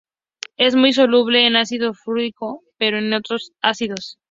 Es muy soluble en ácido fluorhídrico, pero no en otros ácidos.